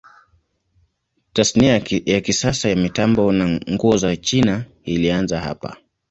Tasnia ya kisasa ya mitambo na nguo ya China ilianza hapa.